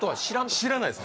知らないです